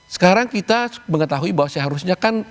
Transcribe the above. sekarang kita mengetahui bahwa seharusnya kan